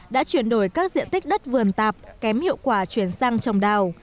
đã chuyển đổi các diện tích đất vườn tạp kém hiệu quả chuyển sang trồng đào